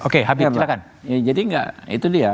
oke habib silakan jadi enggak itu dia